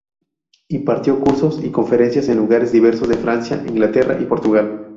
Impartió cursos y conferencias en lugares diversos de Francia, Inglaterra y Portugal.